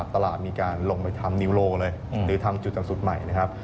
ตลาดมีการลงไปทำนิวโลเลยหรือทำจุดต่ำสุดใหม่นะครับ